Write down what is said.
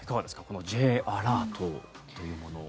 このＪアラートっていうもの。